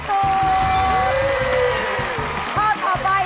โปรดติดตามต่อไป